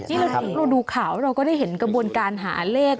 นี่เราดูข่าวแล้วเราก็ได้เห็นกระบวนการหาเลข